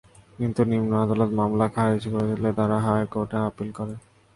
কিন্তু নিম্ন আদালত মামলা খারিজ করে দিলে তাঁরা হাইকোর্টে আপিল করেন।